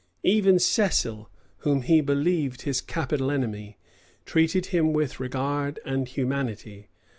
Even Cecil, whom he believed his capital enemy, treated him with regard and humanity.